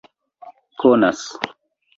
konas